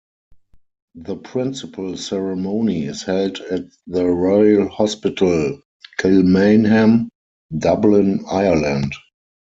The principal ceremony is held at the Royal Hospital Kilmainham, Dublin, Ireland.